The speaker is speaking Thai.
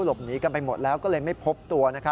หนีกันไปหมดแล้วก็เลยไม่พบตัว